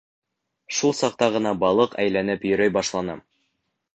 Шул саҡта ғына балыҡ әйләнеп йөрөй башланы.